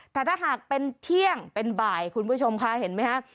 แต่ถ้าหากเป็นเที่ยงเป็นบ่ายคุณผู้ชมค่ะเห็นไหมคะ